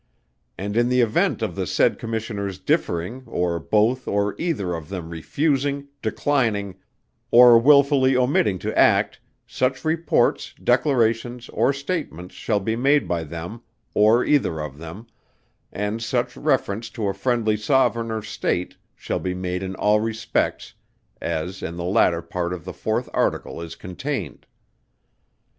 And in the event of the said Commissioners differing or both or either of them refusing, declining, or wilfully omitting to act, such reports, declarations, or statements shall be made by them, or either of them, and such reference to a friendly sovereign or state shall be made in all respects, as in the latter part of the fourth article is contained."